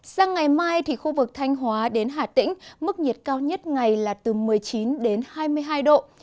sang ngày mai thì khu vực thanh hóa đến hà tĩnh mức nhiệt cao nhất ngày là từ một mươi chín đến hai mươi hai độ